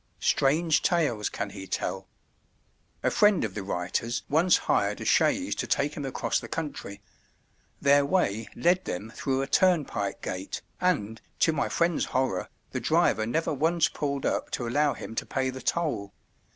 Strange tales can he tell. A friend of the writer's once hired a chaise to take him across the country; their way led them through a turnpike gate, and, to my friend's horror, the driver never once pulled up to allow him to pay the toll.